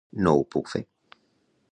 No ho puc fer.